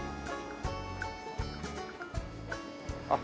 あっ